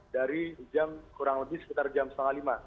dari jam kurang lebih sekitar jam setengah lima